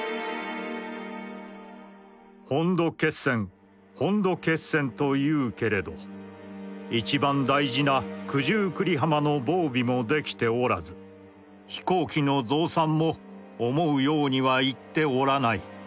「本土決戦本土決戦と云ふけれど一番大事な九十九里浜の防備も出来て居らず飛行機の増産も思ふ様には行つて居らない。